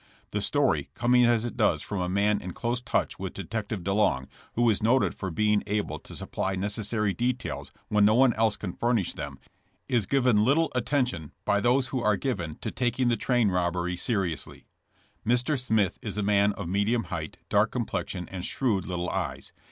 The story, coming as it does from a man in close touch with Detective DeLong, who is noted for be ing able to supply necessary details when no one else can furnish them, is given little attention by those who are given to taking the train robbery seriously. Mr. Smith is a man of medium height, dark complexion and shrewd little eyes.